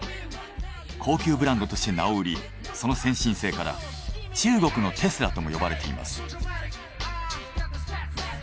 高級ブランドとして名を売りその先進性から中国のテスラとも呼ばれています。